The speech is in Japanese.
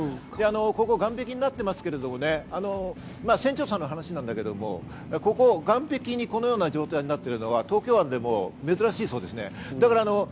岸壁になっていますけれども、船長さんの話なんだけれども、岸壁、このような状態になってるのは東京湾でも珍しいそうです。